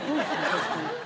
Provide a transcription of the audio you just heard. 確かに。